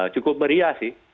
cukup meriah sih